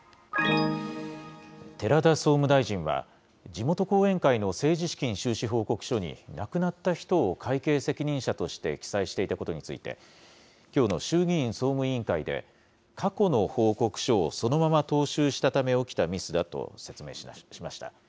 寺田総務大臣は、地元後援会の政治資金収支報告書に、亡くなった人を会計責任者として記載していたことについて、きょうの衆議院総務委員会で、過去の報告書をそのまま踏襲したため起きたミスだと説明しました。